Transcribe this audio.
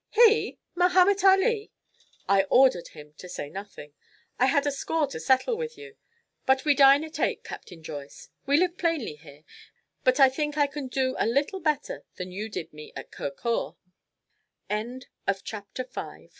"He! Mahomet Ali!" "I ordered him to say nothing. I had a score to settle with you. But we dine at eight, Captain Joyce. We live plainly here, but I think I can do you a little better than you did me at Kur